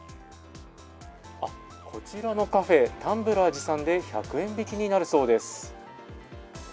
こちらのカフェタンブラー持参で１００円引きになるそうです。